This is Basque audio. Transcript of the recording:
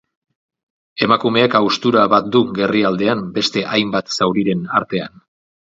Emakumeak haustura bat du gerrialdean beste hainbat zauriren artean.